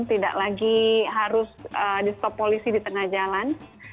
tidak lagi harus di stop polisi di tengah jalan